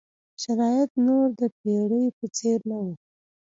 شرایط نور د پېړۍ په څېر نه وو.